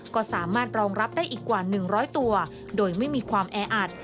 ก็สามารถรองรับได้อีกกว่า๑๐๐ตัวโดยไม่มีความแออัด